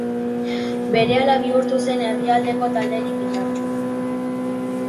Berehala bihurtu zen herrialdeko talderik indartsuena.